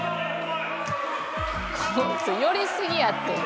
寄りすぎやって。